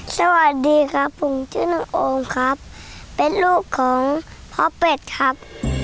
สวัสดีครับผมชื่อน้องโอมครับเป็นลูกของพ่อเป็ดครับ